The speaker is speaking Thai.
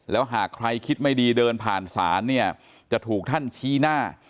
แล้วหากใครคิดไม่ดีเดินผ่านศาลเนี่ยจะถูกท่านชี้หน้า